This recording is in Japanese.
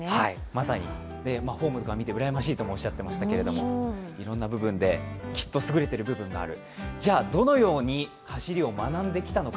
まさに、フォームとか見てうらやましいとかおっしゃっていましたけど、いろんな部分で、きっとすぐれてる部分がある。